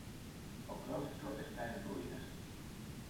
O claustro está en ruínas.